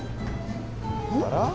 あら？